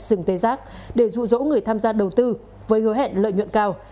sừng tê giác để dụ dỗ người tham gia đầu tư với hứa hẹn lợi nhuận cao